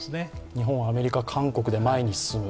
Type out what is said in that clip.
日本、アメリカ、韓国で前に進む。